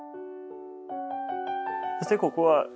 そしてここは？